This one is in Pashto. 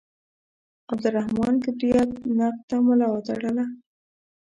عبدالرحمان کبریت نقد ته ملا وتړله.